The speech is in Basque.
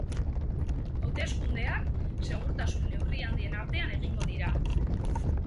Hauteskundeak segurtasun neurri handien artean egingo dira.